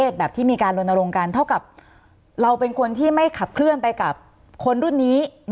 เท่ากับเราเป็นคนที่ไม่ขับเคลื่อนไปกับคนรุ่นนี้